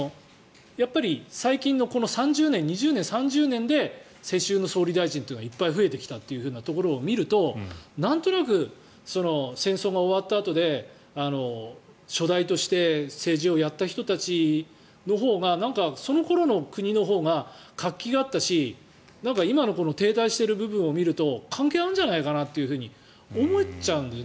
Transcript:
最近のこの２０年、３０年で世襲の総理大臣がいっぱい増えてきたっていうのを見るとなんとなく戦争が終わったあとで初代として政治をやった人たちのほうがその頃の国のほうが活気があったし今の停滞している部分を見ると関係あるんじゃないかなと思っちゃうんです。